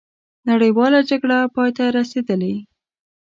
نړیواله جګړه پای ته رسېدلې.